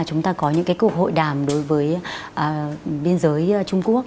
chúng ta có những cuộc hội đàm đối với biên giới trung quốc